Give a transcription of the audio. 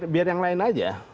biar yang lain aja